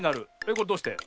これどうして？